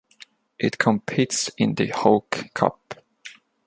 It competes in the Hawke Cup.